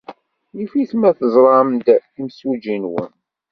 Yif-it ma teẓram-d imsujji-nwen.